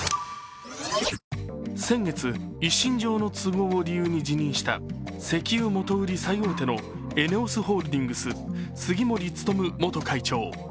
先月、一身上の都合を理由に辞任した石油元売り最大手のＥＮＥＯＳホールディングス杉森務元会長。